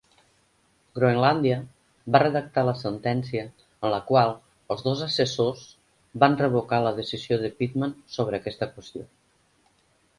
Groenlàndia va redactar la sentència en la qual els dos assessors van revocar la decisió de Pitman sobre aquesta qüestió.